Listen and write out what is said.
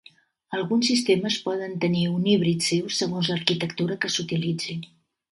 Alguns sistemes poden tenir un híbrid seu segons l'arquitectura que s'utilitzi.